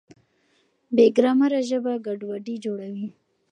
بې ګرامره ژبه ګډوډي جوړوي.